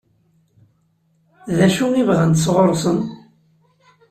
D acu i bɣant sɣur-sen?